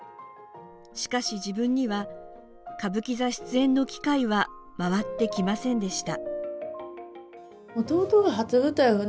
しかし自分には、歌舞伎座出演の機会は回ってきませんでした。